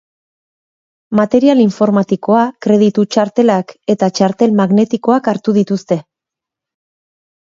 Material informatikoa, kreditu txartelak eta txartel magnetikoak hartu dituzte.